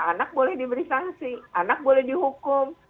anak boleh diberi sanksi anak boleh dihukum